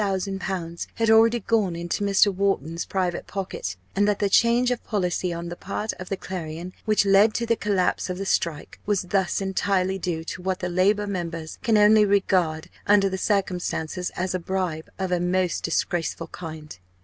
_ had already gone into Mr. Wharton's private pocket; and that the change of policy on the part of the Clarion, which led to the collapse of the strike, was thus entirely due to what the Labour members can only regard under the circumstances as a bribe of a most disgraceful kind.